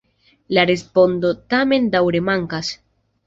La respondo tamen daŭre mankas.